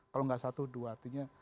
kalau nggak satu dua artinya